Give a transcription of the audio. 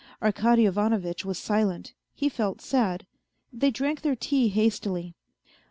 Arkady Ivanovitch was silent, he felt sad. They drank their tea hastily.